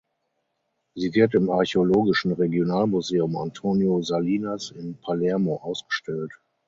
Sie wird im Archäologischen Regionalmuseum Antonio Salinas in Palermo ausgestellt.